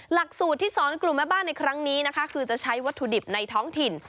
หลักสูตรที่สอนกลุ่มแม่บ้านในครั้งนี้นะคะคือจะใช้วัตถุดิบในท้องถิ่น